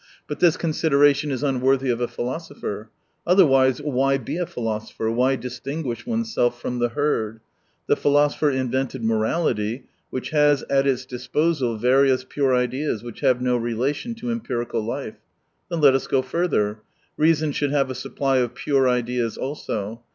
But this consideration is un worthy of a philosopher : otherwise why be a philosopher, why distinguish oneself fyom the herd ? The philosopher invented mprality, which has at its disposal various pure ideas that have no relation to empirical life. Then let us go further. Reason should have a supply x>f pure ideas also.